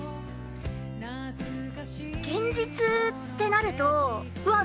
現実ってなるとうわっ！